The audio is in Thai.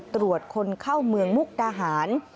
ตรวจคนเข้าเมืองมุกดาหาร